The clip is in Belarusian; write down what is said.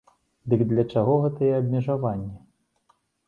Дык для чаго гэтыя абмежаванні?